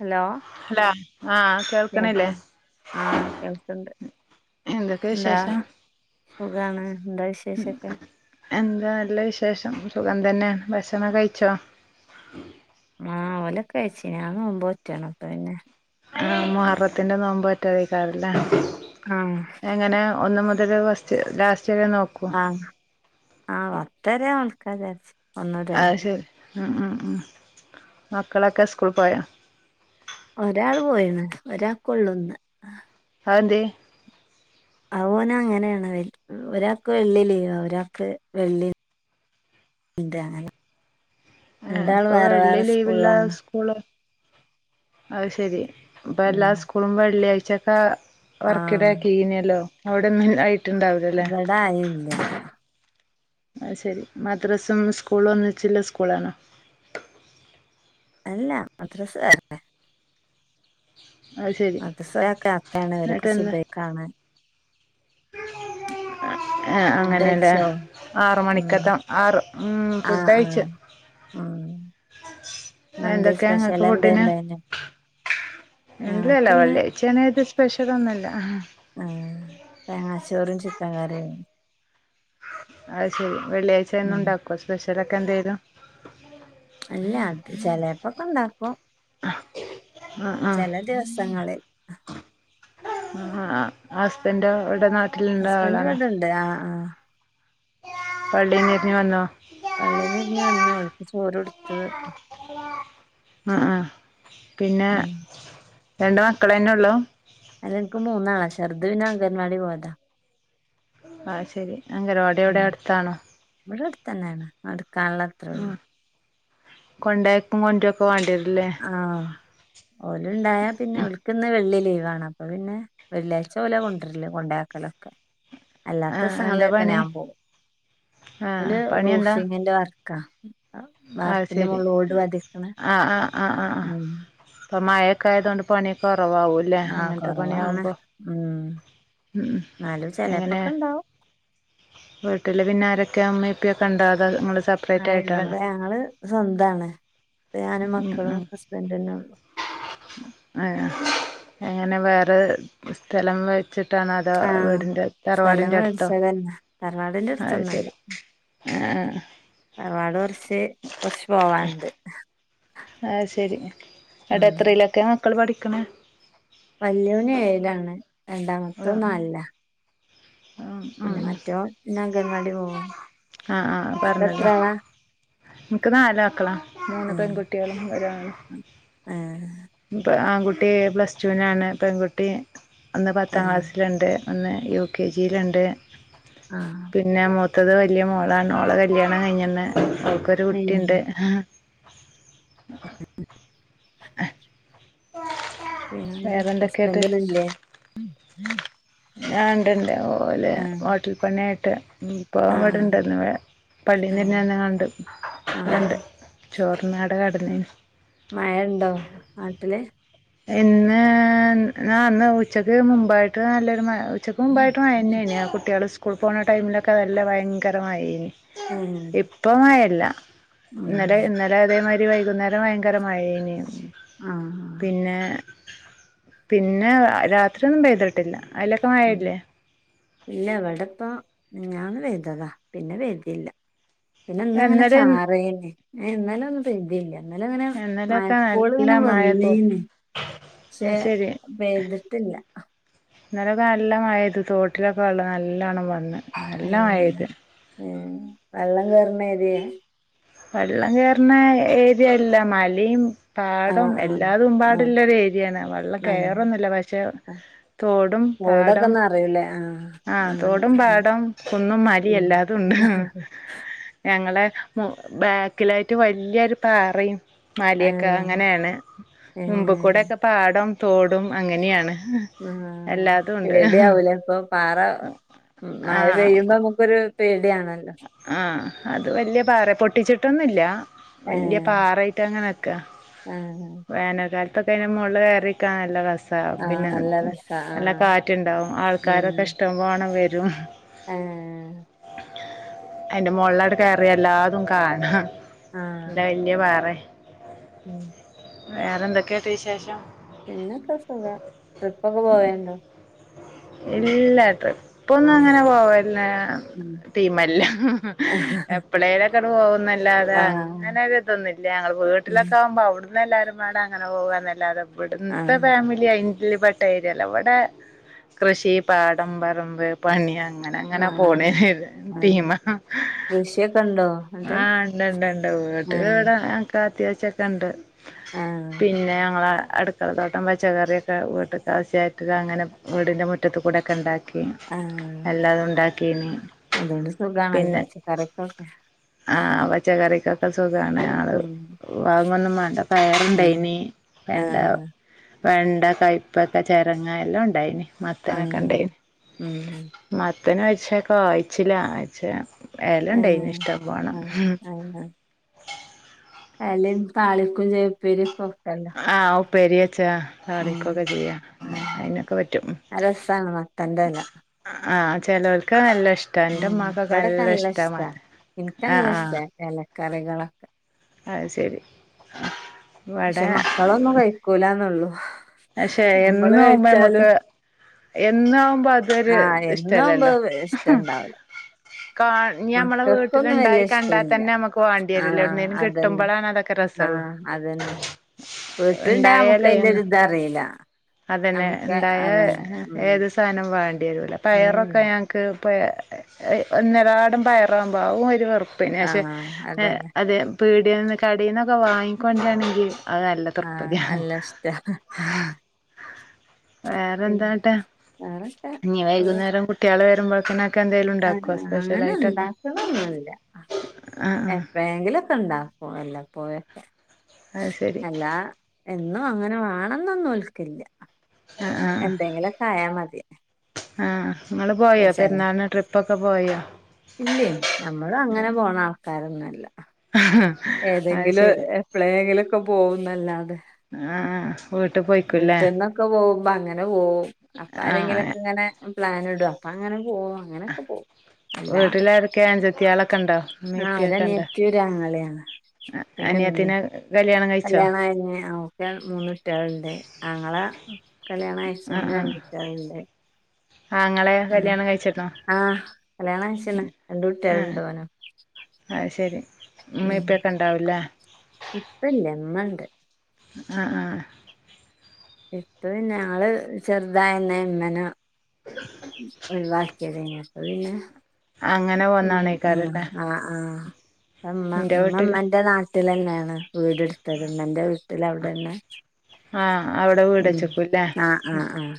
Hello hello ആഹ കേൾക്കണില്ലേ കേൾക്ക ആഹ് കേൾക്ക്ണ്ട് എന്തൊക്കെ എന്താ വിശേഷം സുഖാണ് എന്താ മ് വിശേഷൊക്കെ എന്താ നല്ല വിശേഷം സുഖം തന്നെ ഭക്ഷണം കഴിച്ചോ ആഹ് ഓലൊക്കെ കൈച്ചി ഞാന് നോമ്പോറ്റണ് അപ്പ പിന്നെ ആ മുഹർത്തിന്റെ നോമ്പോറ്റാതയ്ക്കാരല്ലേ ആഹ് എങ്ങനെ ഒന്ന് മുത [unintelligible] ആഹ് ആഹ് പത്തെരെ നോൽക്കാ വിചാരിച്ച് വന്നതല്ലെ അത് ശരി ഉം ഉം ഉം മക്കളൊക്കെ സ്കൂൾ പോയോ ഒരാൾ പോയിണ് ഒരാക്കുള്ളുന്നു അതന്തേ അ ഓന് അങ്ങനെയാണ് ഒരാൾക്ക് വെള്ളി ലീവാ ഒരാൾക്ക് വെള്ളി ഇടെ അങ്ങനെ ആഹ് രണ്ടാളും ഇപ്പൊ വേറെ വെള്ളി വേറെ ലീവില്ല സ്കൂളാണ് സ്കൂള് അത് ശെരി അപ്പ എല്ലാ ഉം സ്കൂളും വെള്ളിയാഴ്ചക്കെ ആഹ് വർക്കിടയാക്കി ഇനല്ലോ അവിടെന്ന് വിടെ ആരൂല്ല അത് ശെരി മദ്രസും സ്കൂളും ഒന്നിച്ചുള്ള സ്കൂളാണോ അല്ല മദ്രസ വേറെ [unintelligible] ശരി മദ്രസ് ഒരാക്ക് അക്കാണ് ഒരൊക്ക് സുബഹിക്കാണ് [inaudible] ഏ അങ്ങനെല്ലേ ഫുഡഴിച്ചോ ഉം ആറുമണികത്തെ ആറ് ഉം ആഹ് ആഹ് ഫുഡഴിച്ചു ഉം ഇന്നെന്തേ എന്തൊക്കെ ഇങ്ങക്ക് സ്പെഷ്യൽ എന്തേ ഫുഡിന് ഇണ്ടായിനോ ഇല്ലല്ല ഞങ്ങക്കിന്ന് വെള്ളിയാച്ചേണ്ര്തി സ്പെഷ്യൽ ഒന്നുല്ല ആഹ് തേങ്ങാച്ചോറും ചിക്കൻ കറിയും അത് ശരി വെള്ളിയാഴ്ച എന്നും ഉം ഉണ്ടാക്കോ സ്പെഷ്യലൊക്കെ എന്തേലും അല്ല അത് ചിലേപ്പോക്കെ ഉണ്ടാക്കും ആഹ് ആഹ് ചില ദിവസങ്ങളിൽ ആഹ ഹസ്ബന്റോ ഇവിടെ നാട്ട് ഹസ്ബന്റ് ഇവിടെണ്ട് ആഹ ആഹ പള്ളിന്ന് ര്ഞ് വന്നോ പള്ളിന്ന് രിഞ്ഞ് വന്ന് ഓല്ക്ക് ചോറൊടുത്ത് അ ആ പിന്നെ ഉം രണ്ട് മക്കളന്നെ ഉള്ളു അല്ലെൻക്ക് മൂന്നാളാ ചെർത് പിന്നെ അംഗൻവാടി പോയതാ ആ ശെരി ഉം ഇവിടെടുത്തെന്നേണ് നടക്കാനുള്ളത്രേ ഒള്ളു കൊണ്ടയാക്കും കൊണ്ടൊര്ക്കെ വാണ്ടിരും ആ ഓലുണ്ടായ പിന്നെ ഓൽക്ക്ന്ന് വെള്ളി ലീവാണ് അപ്പൊ പിന്നെ വെള്ളിയാഴ്ച ഓലെ കൊണ്ടര്ല് കൊണ്ടാക്കലൊക്കെ ആഹ് എന്താ അല്ലാത്തസങ്ങളിലൊക്കെ പണി ഞാൻ പോവും ആഹ് ഓല് പണി എന്താ റൂഫിങ്ങിന്റെ വർ ക്ക വാർപ്പിന്റെ ഓട്പതിക്ക്ണെ അ ആ ആഅപ്പ മയൊക്കായതോണ്ട് പണിക്ക കവാവുല്ലേ ആഹ് അങ്ങൻത്തെ കൊറവാണ് പണിയാവുമ്പോ ഉം ഉം ഉം എന്നാലും എങ്ങനെ ചെലപ്പൊക്കെ ഇണ്ടാവും വീട്ടില് പിന്നാരൊ ക്കെ മ്മേം പ്പേംക്കെണ്ടോ അതോ നിങ്ങള് സെപ്പറേറ്റായ്ട്ടാണോ ങ്ങള് സ്വന്താണ് ഞാനും ഉം മക്കളും ഹസ്ബൻഡന്നെള്ളു ആ എങ്ങനെ വേറെ സ്ഥലം വെ ട്ടിട്ടാണോ അതോ ആഹ് വീടിന്റെ സ്ഥലം തറവാടിന്റെ അടുത്തോ മേടിച്ചതന്നെ തറവാടിന്റെ അത് അടുത്തൊന്നല്ല ശെരി ആ ആ തറവാട് കൊർച്ച് കൊർച്ച് പോവാണ്ട് അത് ശെരി ഉം അടെത്രയിലൊക്കെ മക്കൾ പഠിക്കണെ വല്യോന് ഏഴ്ലാണ് രണ്ടാമത്തോന്നാൽലാ ഉം ഉം അംഗൻവാടി പോവും ആ ആ ഇങ്ങക്ക് എത്ര പറഞ്ഞല്ലോ ആളാ നിക്ക് നാല് മക്കളാ മൂന്ന് ആഹ് പെൺകുട്ടികളും ഒരാണും ആഹ് പ്പൊ ആൺകു ട്ടി പ്ലസ് ടൂ നാണ് പെൺകുട്ടി ഒന്ന് പത്താം ആഹ് ക്ലാസ്സില്ണ്ട് ഒന്ന് യു കെ ജിൽണ്ട് ആഹ് പിന്നെ മു ത്തത് വല്യ മോളാണ് മോളെ കല്യാണം കഴിഞ്ഞന്ന് ഓൾക്കൊരു ഏഹ് കുട്ടിണ്ട് [inaudible] പിന്നെന്താ ഹസ്ബൻഡ് വടെ ല്ലേ ആ ണ്ട്‌ ണ്ട് ഓല് ഹോട്ടൽ പണിയായിട്ട് ഇപ്പൊ വിടെണ്ട് ആഹ് ന്ന് പള്ളിന്നിര്ഞ്ങ്ങാണ്ടു വടെ ആഹ് ണ്ട് ചോർന്നട കടന്നീന് മയണ്ടോ നാട്ടില് ഇന്ന് ഞാ ന്ന് ഉച്ചക്ക് മുമ്പായിട്ട് നല്ലൊരു മഴ ഉച്ചക്ക് മുമ്പായിട്ട് മയന്നേന് ആ കുട്ട്യാള് സ്കൂൾ പോകണ ടൈമിലൊക്കെ നല്ല ഭയങ്കരമയേനി ഏഹ് ഇപ്പ മയല്ല ഉം ഇന്നലെ ഇന്നലെ അതേമാ തിരി വൈകുന്നേരം ഭയങ്കരമയേയ്നി ആ ആ പിന്നെ പിന്നെ രാത്രിഒന്നും പെയ്തിട്ടില്ല അയ്ലൊക്കെ ഉം മയല്ലേ ഇല്ല വിടെപ്പ മിഞാന്ന് പെയ്തതാ പിന്നെ പെയ്തില്ല പിന്നെ ന്ന്ങ്ങനെ ഇന്നലെ ചാറീനു എ ന്നെലൊന്നും പെയ്തീല്ല ന്നെലെങ്ങനെ ഇന്നലെയൊക്കെ നല്ല മഴക്കോള്ങ്ങനെ മഴ തോ വന്നീന് അത് ക്ഷെ പെയ്തിട്ടില്ല ന്നെലൊക്കെ നല്ല മഴപെയ്ത് തോട്ടിലൊക്കെ വള്ള നല്ലോണം വള്ളം നല്ല മഴ ഏഹ് പെയ്ത് ഏഹ് വെള്ളം കേറുന്ന ഏരിയേ വെള്ളം കേറുന്ന ഏരിയല്ല മലേം പാടം ആഹ് ആഹ് എല്ലാതും പാടള്ള ഒരു ഏരിയാണ് വെള്ളം ആഹ് കേറൊന്നില്ല പക്ഷെ ആഹ് തോടും തോടൊക്കെ പാടം നറയൂലേ ആഹ് ആ അങ്ങനെ തോടും പാടം കുന്നും മല എല്ലാതും ഉണ്ട് അ ഹാ ഹ ഞങ്ങളെ ബാക്കിലായിട്ട് വല്ല്യൊര് പാറിം മാലെക്കെ ആഹ് അങ്ങനെണ് ഏഹ് മുമ്പ്ക്കൂടെക്കെ പാടം തോടും അങ്ങനെയാണ് ആ എല്ലാതും ഉണ്ട് പേട്യവൂലേ അപ്പൊ പാറ ഉം മഴ പെയ്യുമ്പോ നമുക്കൊരു പേടിയാണല്ലോ ആ അത് വലിയ പാറ പൊട്ടിച്ചിട്ടൊന്നുല്ല. വല്യ ഏഹ് പാറായിട്ട് അങ്ങനെ നിക്ക ആഹ് വേനൽ കാല അപ്പത്തേന് മൊളില് കേറിനിക്കാൻ നല്ല ര സാ ആഹ് പിന്നെ നല്ല രസാ നല്ലാ ആഹ് കാറ്റുണ്ടാവും ആൾക്കാരൊക്കെ ഇഷ്ടം പോണം വരും ആ അതിന്റെ മുകളിലാട് കയറിയാൽ എല്ലാതും കാണാ ആഹ് എന്താ വലിയ പാറെ ഉം വേറെന്തൊക്കെട്ട് വിശേഷം? പിന്നൊക്കെ സുഖം. ട്രിപ്പൊക്കെ പോവേണ്ടോ? ഇല്ല ട്രിപ്പൊന്നും ആഹ് അങ്ങനെ പോവേല്ല. ഉം ടീമല്ല എപ്പളേലൊക്കൊന്ന് പോകുന്നല്ലാതെ ആഹ് അങ്ങനൊരിതൊന്നുല്ല ഞങ്ങ ഉം വീട്ടിലൊക്കെ ആകുമ്പോ അവിടന്ന് എല്ലാവാരും വേണം അങ്ങനെ പോകുന്നല്ലാതെ ഇവിടത്തെ ആഹ് ഫാമിലി അയി ൽപ്പെട്ട ഏരിയല്ല ഇവിടെ കൃഷി പാടം പറമ്പ് പണി യങ്ങ അങ്ങനെ അങ്ങനെ പോണ് ആഹ് ആഹ് ടീമാ കൃഷിയൊക്കെ ഉണ്ടോ എന്നിട്ട് ആ ഇണ്ട് ഇണ്ട് ഇണ്ട് വീട്ടില് ആഹ് ഇവിടെ ഞങ്ങക്ക് അത്യാവശ്യക്കെ ഇണ്ട്. ആഹ് പിന്നെ ഞങ്ങളെ അടുക്കള തോട്ടം പച്ചക്കറിയൊക്കെ വീട്ട് കാവശ്യായിട്ടത് അങ്ങനെ വീടിന്റെ മുറ്റത്ത് കൂടൊക്കെണ്ടാ ക്കി ആഹ് അല്ലാതും ഉണ്ടാക്കിനി. അതുകൊണ്ട് സുഖാണല്ലോ പച്ചക്കറിക്കൊക്കെ ആ പച്ചകറിക്കൊക്കെ സു സുഖാണ് ഞങ്ങള് ഉം വാങ്ങൊന്നും വണ്ട ഉം പയറുണ്ടായിനി, വെണ്ട ആഹ് വെണ്ട, കയ്പക്ക, ചെരങ്ങ എല്ലം ഇണ്ടായിനി. മത്തനൊക്കെ ആഹ് ഇണ്ടായിനി. ഉം മ ത്തന് വയ്ച്ചേക്കോ വായിച്ചില്ല അയച്ച ഏല ഉണ്ടായിനി ആഹ് ഇഷ്ടം വണം ആഹ് ലെ താളിക്കും ചേപ്പീരക്കും ഒക്കല്ലോ? അച്ചാ തടിക്കൊക്കെ ചെയ്യാ ഉം അതിനൊക്കെ പറ്റും നല്ല രസാണ് മത്തന്റെല ആ ചിലവർക്കാണ് നല്ല ഇഷ്ടാ എന്റെ ഉം ഉമ്മാക്കൊക്കെ ഇവിടൊക്കെ നല്ല ഇഷ്ടാ മത്തൻ ഇൻക്ക് നല്ല ആഹ് ഇഷ്ട ആഹ് എലക്കറികളൊക്കെ അത് ശരി പക്ഷെ ഇവിടെ മക്കളൊന്നും കഴിക്കൂലന്നൊള്ളൂ പക്ഷെ എന്നുവുമ്പോ നമ്മക്ക് എന്നവുമ്പോ അതൊരു ആഹ് എന്നാവുമ്പോ ഇഷ്ടല്ലല്ലോ? ഇഷ്ടണ്ടാവൂല കാ ഞമ്മളെ മക്കൾക്കൊന്നും വീട്ടിലുണ്ടായി വല്ല്യ കണ്ടാ ഇഷ്ടല്ല തന്നെ നമുക്ക് വാണ്ടി ആ വരൂല എവിടുന്നേലും അതന്നെ കിട്ടുമ്പളാണ് അതൊക്കെ ആ രസൊള്ളു ആ അതന്നെ വീട്ടുണ്ടയ നമക്ക് ഉണ്ടായാലേ അയിന്റെ ഒന്ന് ഒരു ഇത് അറില്ല. അതന്നെ ഇണ്ടായ ഏത് സാധനം വേണ്ടിരൂല്ല ഉം പയറൊക്കെ ഞങ്ങൾക്ക് ഇപ്പ ഒന്നിരാടം പയറാകുമ്പോ ആകും ഒരു വെറുപ്പിന്നെ പക്ഷേ ആഹ് അതന്നെ അത് പീടികയിന്ന് കടയിൽന്നൊക്കെ വാങ്ങിക്കൊണ്ടാണെങ്കിൽ അത് നല്ല ആഹ് തൃപ്പതിയാ നല്ല ഇഷ്ടാ ആ വേറെ പിന്നെ എന്താന്നട്ട്? വേറൊക്കെ ഇനി വൈകുന്നേരം കുട്ടികള് വരുമ്പോഴത്ത്ന് ആ അങ്ങനെ ഇണ്ടാക്കലൊന്നുല്ല. ആ ആ എപ്പഴെങ്കിലുമൊക്കെ ഇണ്ടാക്കും വല്ലപ്പോയൊക്കെ അത് ശരി എന്നും അങ്ങനെ വേണംന്നൊന്നും ഒൽക്കില്ല ആ ആ എന്തെങ്കിലൊക്കെ ആയാ മതി ആ നിങ്ങൾ പോയോ പെരുന്നാളിന് ട്രിപ്പ് ഒക്കെ പോയോ? ഇല്ല്യ നമ്മൾ അങ്ങനെ പോണാൾക്കാരൊന്നുമല്ല അത് ഏതെങ്കിലും ശരി എപ്പോഴെങ്കിലുമൊക്കെ പോകുംന്നല്ലാതെ ആ വീട്ടിൽ പോയിക്കൂല്ലേ ബ്രിട്ടെന്നൊക്കെ പോകും അപ്പൊ അങ്ങനെ പോകും അപ്പൊ ആ ആരെങ്കിലുംമൊക്കെ ഇങ്ങനെ പ്ലൻ ഇടും അപ്പൊ അങ്ങനെ പോകും അങ്ങനെയൊക്കെ പോകും വീട്ട്ലാരൊക്കെ അഞ്ച ത്തിയോളക്കെണ്ടോ ആഹ് ഇമ്മിംഇപ്പിം ഒക്കെണ്ടോ ഒരനിയത്തി ഒരാങ്ങളെയാണ് അ അനിയത്തിനെ കല്യാ കല്യാണയ്ഞ്ഞ് ഓക്ക് മൂന്ന്ട്ട്യോള്ണ്ട് ആങ്ങള കല്യാണയ്ച് ആ ഓന് ആ രണ്ടുട്ട്‌യോള്ണ്ട് ആങ്ങളെ കല്യാണംകയ്ച്ച്ക്ണ് ആ കല്യാണയ്ച്ചല്ലോ രണ്ട് കുട്ട്യോള്ണ്ട് ഓനും അശെരി ഇമ്മിംഇപ്പിംഒക്കെ ണ്ടാവുല്ലേ ഇപ്പല്യ ഇമ്മണ്ട് അ ആ ഇപ്പ പിന്നെ ആള് ചെറതായന്നെ ഇമ്മനെ ഒയ് വാ ക്കെതേനി അപ്പ പിന്നെ അങ്ങനെ ഉം പോന്നതാണേക്കാരല്ലേ ആ ആ ആ ഇമ്മ എൻ്റെ വീട്ടില് ഇമ്മമ്മന്റെ നാ ട്ട്ലന്നേണ് വീട് ട്ത്തെത് ഇമ്മന്റവീട്ടില് അവ്ടെന്നേ ആ അവ്ടെ വീടെച്ചെക്കുല്ലേ ആഹ് ഉം ആഹ്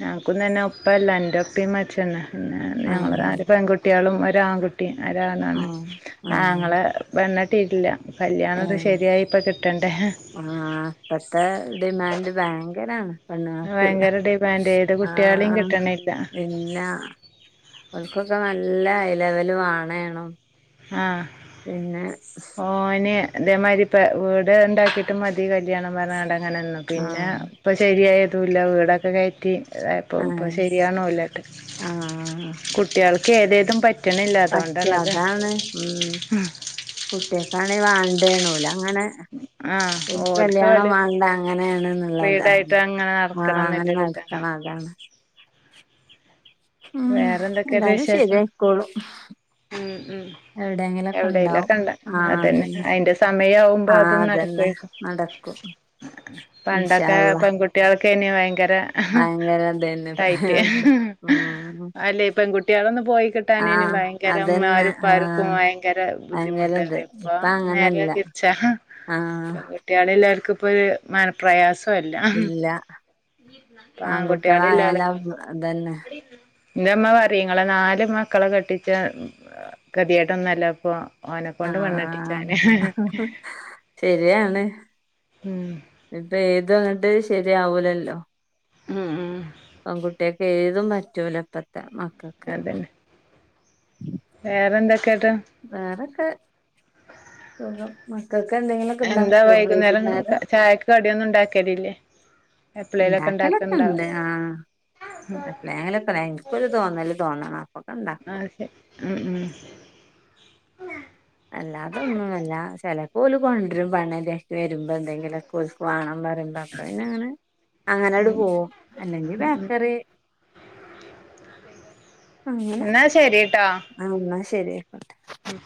എ അനക്കും തന്നെ ഉപ്പല്ല ന്റപ്പിം മരിച്ച്ണ് ഇന്നേ ആഹ് ഞങ്ങള് ആഹ് നാല് പെൺകുട്ടിയേളും ഒരാകുട്ടിം ഒരാണാണ് ആഹ് ആഹ് ആങ്ങള പെണ്ണെട്ടീട്ട്ല്യ കല്യാണത് ഏഹ് ശരിയായിപ്പൊ കിട്ടണ്ടേ ആഹ് ഇപ്പത്തെ ഡിമാൻഡ് ഭയങ്കരാണ് പെണ്ണ്ങ്ങക്ക് ഭയങ്കര ഡിമാൻഡ് ശ് ഏത് ആ കുട്ടികളെയും കിട്ടണില്ല ഇല്ലാ അവക്കൊക്കെ നല്ല ഹൈ ലെവല് വാണേണും ആ ഓന് ഇതേമായ്തിരി പെ വീട്ണ്ടാക്കീട്ട് മതീ കല്യാണം പറഞ്ഞാണ്ട്ങ്ങനെ ന്നു പിന്നെ ആഹ് പ്പൊശരിയായ റ്റൂല്യ വീടൊക്കെ കേറ്റി ദായപ്പൊ ഇപ്പൊ ഏഹ് ശരിയാവ്ണൂല്യ ആഹ് കുട്ട്യാള് കേദേതും പറ്റ്ണ്‌ല്ല അതോണ്ടാണത്. ന്നേ ഉം കുട്ടിയേക്കാണേ വാണ്ടേ നൂലാ ഇങ്ങനെ ആ ഉം ഓൽക്ക് ഒരുകല്യാണം ഓലെ വന്നങ്ങനെണ് ന്ന്ള്ളതാ ഫ്രീഡായിട്ട് അങ്ങനെ ആ നടക്കണം അങ്ങനെ എന്നുള്ളൊരു ഇതാണ് നടക്കണം അതാണ് ഉം വേറെ എന്തൊക്കെയുണ്ട് എന്തായാലും വിശേഷം ശരിയായ്ക്കോളും ഉം ഉം എവ്ടെങ്കിലൊക്കെണ്ടാവും എവിടെലൊക്കെ ഉണ്ട് ആ അതന്നെ അതെന്നെ അതിന്റെ ആ സമയമാവുമ്പോൾ അതും അതെന്നെ നടക്കുമായിരിക്കും നടക്കും പണ്ടൊക്കെ ഇൻഷാഅള്ളാ പെൺകുട്ടികൾക്കയ്ന് ഭയങ്കര അങ്ങനെന്തേലിണ്ടെ പറയെണ്ട് ഉം അല്ലേയ് പെങ്കുട്ട്യോളൊന്ന്പോയി കിട്ടാനെനു ആഹ് ഭയങ്കരം അതന്നെ മ്മാരുംപ്പാര്ക്കും ആഹ് വയങ്കര ഭയങ്കര ബുദ്ധിമുട്ട ഇത് റിപ്പൊ ഇപ്പ നേരെ അങ്ങനല്ല തിര് ച്ച ഹാ ആഹ് പെങ്കുട്ടിയാള് എല്ലാര്ക്ക്പൊര് മന പ്രയാസുല്ല അ ഹും ഇല്ല ആൺകുട്ടികളായാലാ ആങ്കുട്ടിയോളില്യോലൊക്കെ അതന്നെ ന്റമ്മ പറിം ങ്ങളെ നാല് മക്കളെ കെട്ടിച്ച കെതിയേടൊന്നല്ല പ്പൊ ഓനക്കൊണ്ട് പെണ്ണെട്ടിച്ചാന് ആഹ് ഉം ഇപ്പേതുങ്ങട്ട് ശര്യാവൂലല്ലോ ഉം ഉം പെങ്കുട്ട്യേക്ക് ഏതും പറ്റൂല ഇപ്പത്തെ മക്കക്ക് വേറെന്ത വേറൊക്കെ സുഖം മ ക്കെ എന്താ ക്കേന്തേലൊക്കെണ്ടാക്ഓ വൈകുന്നേരം ചായക്ക് കടിയൊന്നും ഉണ്ടാക്കലില്ലേ എപ്പളേലൊക്കെ ഉണ്ടാക്കണ്ടാവും ഇണ്ടാക്കലൊക്കെണ്ട് ആ എപ്ളേങ്ങ്ലൊക്കെ ൻക്കൊര് തോന്നല് തോന്നണം ആ അപ്പൊക്കെണ്ടാക്കും ശരി ഉം ഉം അല്ലാതൊന്നുമല്ല ചെലപ്പോ ഓല് കൊട്രും പെണ്ണേന്തെന് വെരുമ്പൊന്തെങ്കിലൊക്കെ ഓല്ക്ക് വാണം പറ് അപ്പ പിന്നെ അങ്ങനെ അങ്ങനട് ഉം പോവും അല്ലെങ്കി ഉം ബേക്കറി അങ്ങനെ എന്നാ ശരിട്ടോ ആ ന്നാ ശരി അയ്ക്കോട്ടെ ഉം